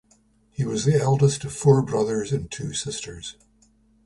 He was the eldest of four brothers and two sisters.